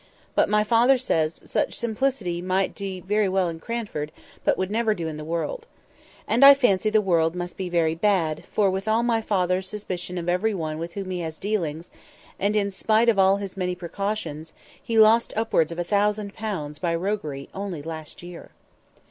But my father says "such simplicity might be very well in Cranford, but would never do in the world." And I fancy the world must be very bad, for with all my father's suspicion of every one with whom he has dealings, and in spite of all his many precautions, he lost upwards of a thousand pounds by roguery only last year.